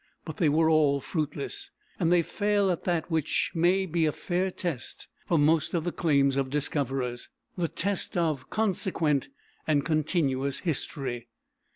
But they were all fruitless; and they fail at that which may be a fair test for most of the claims of discoverers the test of consequent and continuous history.